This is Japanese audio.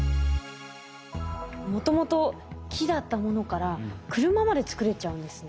もともと木だったものから車まで作れちゃうんですね。